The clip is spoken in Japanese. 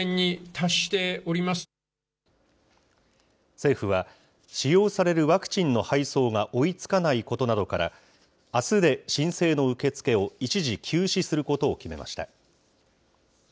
政府は、使用されるワクチンの配送が追いつかないことなどから、あすで申請の受け付けを一時休止することを決めました。